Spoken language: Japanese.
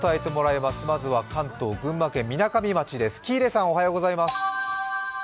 まずは関東、群馬県みなかみ町です。